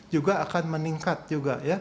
juga akan meningkat juga